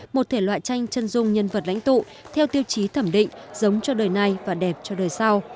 một thể loại tranh chân dung nhân vật lãnh tụ theo tiêu chí thẩm định giống cho đời nay và đẹp cho đời sau